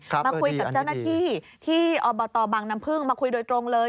มาคุยกับเจ้าหน้าที่ที่อบตบังน้ำพึ่งมาคุยโดยตรงเลย